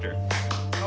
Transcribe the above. あ。